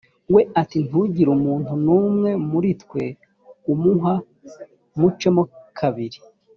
we ati ntugire umuntu n umwe muri twe umuha mucemo kabiri